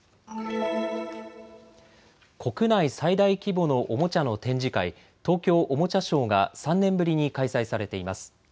国内最大規模のおもちゃの展示会、東京おもちゃショーが３年ぶりに開催されています。